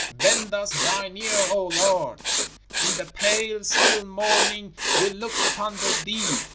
Bend us Thine ear, O Lord! In the pale, still morning we looked upon the deed.